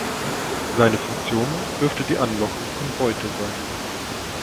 Seine Funktion dürfte die Anlockung von Beute sein.